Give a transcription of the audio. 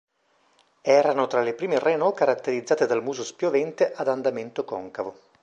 Erano tra le prime Renault caratterizzate dal muso spiovente ad andamento concavo.